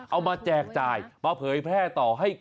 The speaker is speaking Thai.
แจกจ่ายมาเผยแพร่ต่อให้